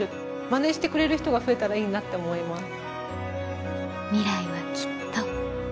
まねしてくれる人が増えたらいいなって思います。